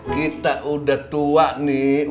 kita udah tua nih